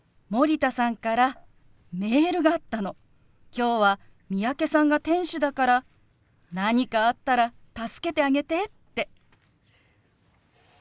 今日は三宅さんが店主だから何かあったら助けてあげてって。